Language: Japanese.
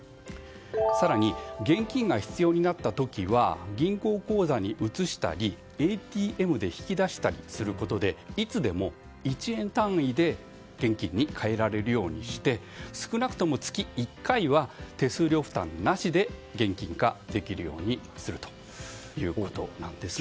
更に、現金が必要になった時は銀行口座に移したりＡＴＭで引き出したりすることでいつでも１円単位で現金に換えられるようにして少なくとも月１回は手数料負担なしで現金化できるようにするということなんですね。